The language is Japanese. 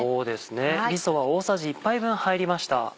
みそは大さじ１杯分入りました。